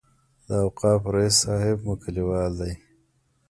د اوقافو رئیس صاحب مو کلیوال دی.